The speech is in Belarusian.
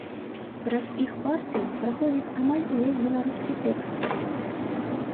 Праз іх парты праходзіць амаль увесь беларускі экспарт.